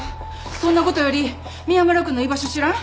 そんなことより宮村君の居場所知らん？